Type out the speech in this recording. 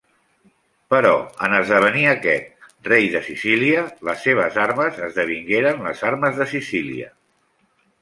Però en esdevenir aquest rei de Sicília, les seves armes esdevingueren les armes de Sicília.